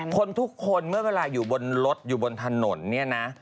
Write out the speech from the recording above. คนทุกคนเมื่อเวลาอยู่บนรถอยู่บนถนนเนี่ยนะ